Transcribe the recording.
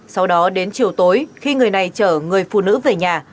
sau đó đến chiều tối khi người này chở người phụ nữ về nhà